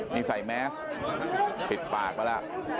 นี่ใส่แมสผิดปากแล้วล่ะ